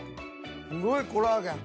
すごいコラーゲン。